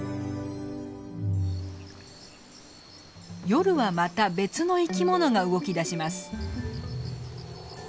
夜はまた別の生き物が動きだします。